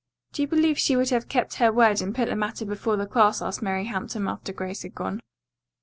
"Do you believe she would have kept her word and put the matter before the class?" asked Mary Hampton after Grace had gone.